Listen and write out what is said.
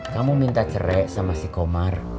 kamu minta cerai sama si komar